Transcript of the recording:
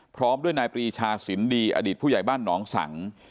พร้อมด้วยนายปรีชาสินดีอดีตผู้ใหญ่บ้านหนองสัง